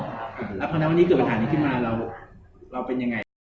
เพราะฉะนั้นวันนี้เกิดปัญหานี้ขึ้นมาเราเป็นยังไง